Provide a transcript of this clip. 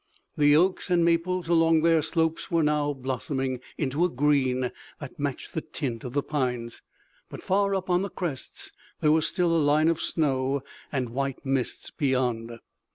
The oaks and maples along their slopes were now blossoming into a green that matched the tint of the pines, but far up on the crests there was still a line of snow, and white mists beyond.